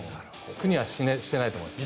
苦にはしていないと思いますね。